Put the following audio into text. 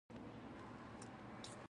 د "ه" حرف د ژبې اساس دی.